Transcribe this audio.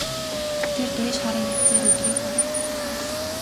Тэр дээш харан хэвтсээр өдрийг барав.